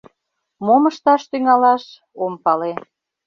Мом ышташ тӱҥалаш — ом пале.